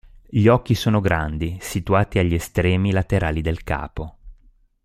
Gli occhi sono grandi, situati agli estremi laterali del capo.